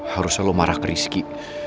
harusnya lo marah ke rizky